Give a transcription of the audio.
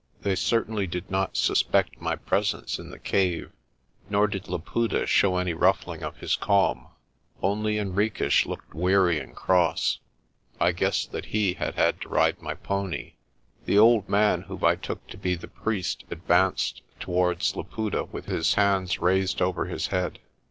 They certainly did not suspect my presence in the cave, nor did Laputa show any ruffling of his calm. Only Henriques looked weary and cross. I guessed he had had to ride my pony. The old man whom I took to be the priest advanced to wards Laputa with his hands raised over his head.